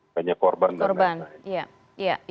hanya korban dan nangkai